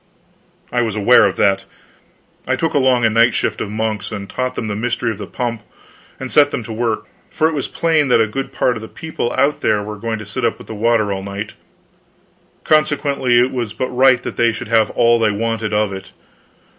I was aware of that. I took along a night shift of monks, and taught them the mystery of the pump, and set them to work, for it was plain that a good part of the people out there were going to sit up with the water all night, consequently it was but right that they should have all they wanted of it.